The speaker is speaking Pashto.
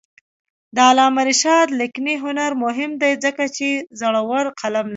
د علامه رشاد لیکنی هنر مهم دی ځکه چې زړور قلم لري.